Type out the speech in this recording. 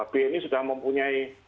bni sudah mempunyai